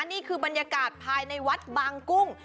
นี่คือบรรยากาศภายในวัดบางกุ้ง